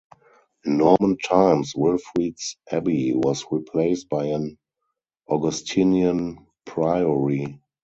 In Norman times Wilfrid's abbey was replaced by an Augustinian priory.